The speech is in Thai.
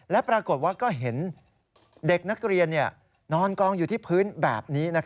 และปรากฏว่าก็เห็นเด็กนักเรียนนอนกองอยู่ที่พื้นแบบนี้